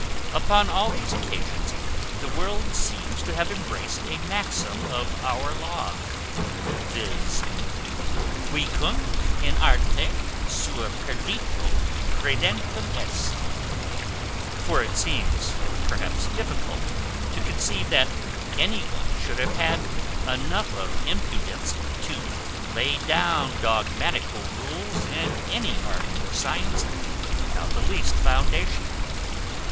Upon all these occasions the world seems to have embraced a maxim of our law, viz., cuicunque in arte sua perito credendum est: for it seems perhaps difficult to conceive that any one should have had enough of impudence to lay down dogmatical rules in any art or science without the least foundation.